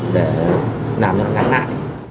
để làm cho nó ngắn lại